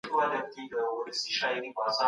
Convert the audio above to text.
سالم ذهن پرمختګ نه ځنډوي.